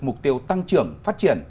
mục tiêu tăng trưởng phát triển